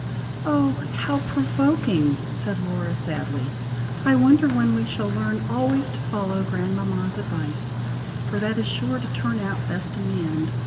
"Oh! how provoking!" said Laura, sadly, "I wonder when we shall learn always to follow grandmama's advice, for that is sure to turn out best in the end.